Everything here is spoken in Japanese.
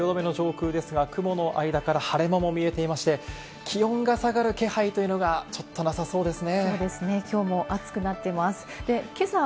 東京・汐留の上空ですが、雲の間から晴れ間も見えていまして、気温が下がる気配というのが、ちょっとなさそうですね。